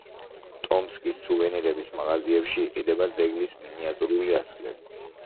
ტომსკის სუვენირების მაღაზიებში იყიდება ძეგლის მინიატურული ასლები.